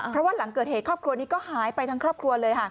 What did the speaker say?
เพราะว่าหลังเกิดเหตุครอบครัวนี้ก็หายไปทั้งครอบครัวเลยค่ะ